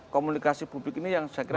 komunikasi publik ini yang saya kira